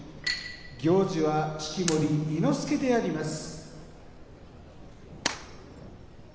行司は式守伊之助であります。